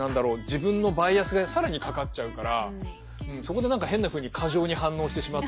自分のバイアスが更にかかっちゃうからそこで何か変なふうに過剰に反応してしまったりとか